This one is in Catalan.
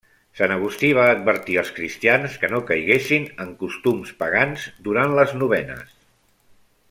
Sant Agustí va advertir als cristians que no caiguessin en costums pagans durant les novenes.